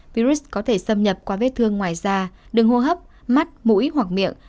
virus có thể xâm nhập qua vết thương ngoài da đường hô hấp mắt mũi hoặc miệng